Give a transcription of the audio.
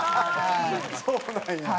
そうなんや。